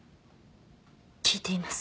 聞いています。